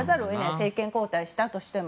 政権交代したとしても。